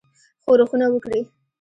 ښورښونه وکړي.